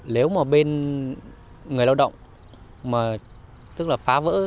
nếu mà bên người lao động mà tức là phá vỡ